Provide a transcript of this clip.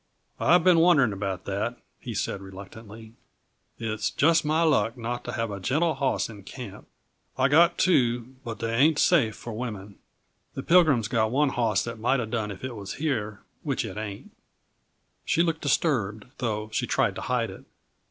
"I've been wondering about that," he said reluctantly. "It's just my luck not to have a gentle hoss in camp. I've got two, but they ain't safe for women. The Pilgrim's got one hoss that might uh done if it was here, which it ain't." She looked disturbed, though she tried to hide it.